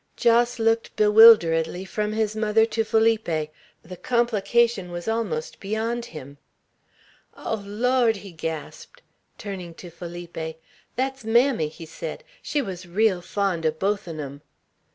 Jos looked bewilderedly from his mother to Felipe; the complication was almost beyond him. "Oh, Lawd!" he gasped. Turning to Felipe, "Thet's mammy," he said. "She wuz real fond o' both on 'em."